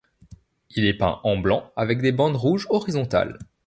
Il est peint en blanc avec des bandes rouges horizontales.